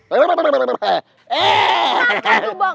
bola sebelah bola betul